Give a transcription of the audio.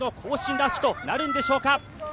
ラッシュとなるのでしょうか。